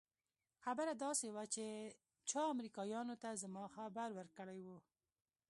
خبره داسې وه چې چا امريکايانو ته زما خبر ورکړى و.